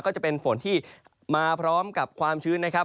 ก็จะเป็นฝนที่มาพร้อมกับความชื้นนะครับ